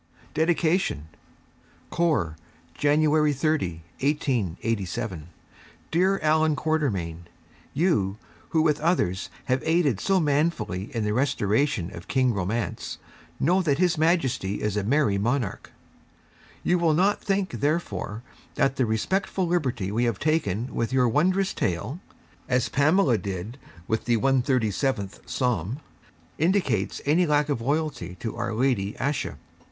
_ DEDICATION. KÔR, Jan. 30, 1887. _DEAR ALLAN QUATERMAIN, You, who, with others, have aided so manfully in the Restoration of King Romance, know that His Majesty is a Merry Monarch. You will not think, therefore, that the respectful Liberty we have taken with your Wondrous Tale (as Pamela did with the 137th Psalm) indicates any lack of Loyalty to our Lady Ayesha.